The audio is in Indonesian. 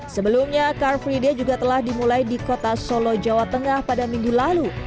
sebelumnya car free day juga telah dimulai di kota solo jawa tengah pada minggu lalu